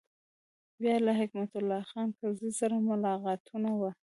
بیا له حکمت الله خان کرزي سره ملاقاتونه و.